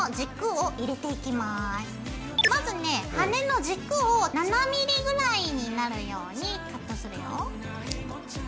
まずね羽根の軸を７ｍｍぐらいになるようにカットするよ。